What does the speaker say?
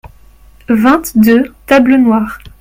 Vingt-deux tables noires.